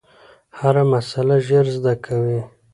هره مسئله ژر زده کوي.